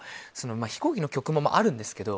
飛行機の曲もあるんですけど。